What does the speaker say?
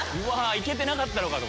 行けてなかったのか！と。